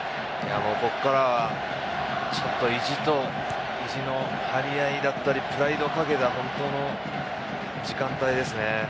もう、ここからは意地と意地の張り合いだったりプライドをかけた時間帯ですね。